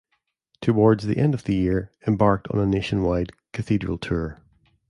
Towards the end of the year, embarked on a nationwide cathedral tour.